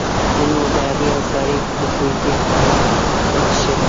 نن مو د علي اوسارې د کوزدې خواږه وڅښل.